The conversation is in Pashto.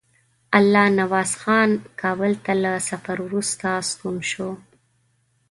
الله نواز خان کابل ته له سفر وروسته ستون شو.